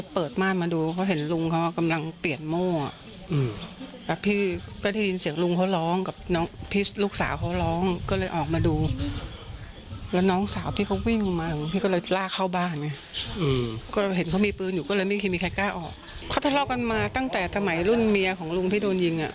เพราะถ้าเล่ากันมาตั้งแต่หลุ่นเมียของลุงที่โดนยิงอ่ะ